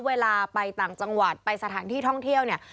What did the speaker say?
เวลาไปต่างจังหวัดไปสถานที่ท่องเที่ยวเนี่ย